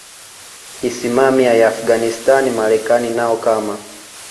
isimamia ya Afghanistan Marekani nao kama